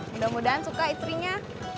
mudah mudahan suka istrinya